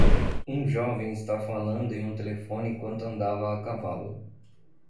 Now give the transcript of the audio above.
Um jovem está falando em um telefone enquanto andava a cavalo.